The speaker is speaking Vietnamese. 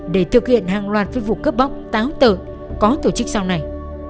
để thực hiện hàng loạt với vụ cướp bóc táo tợ có tổ chức sau này